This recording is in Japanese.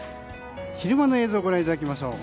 昼間の映像をご覧いただきましょう。